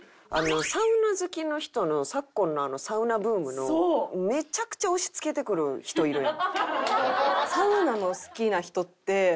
サウナ好きの人の昨今のサウナブームのめちゃくちゃ押し付けてくる人いるやん。